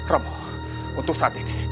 romo untuk saat ini